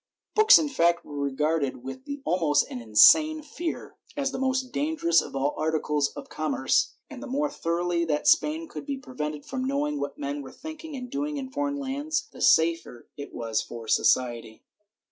^ Books in fact were regarded with almost an insane fear, as the most dangerous of all articles of commerce, and the more thoroughly that Spain could be prevented from knowing what men were thinking and doing in foreign lands, the safer it was for society.